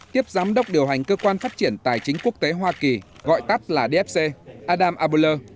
tiếp giám đốc điều hành cơ quan phát triển tài chính quốc tế hoa kỳ gọi tắt là dfc adam abuller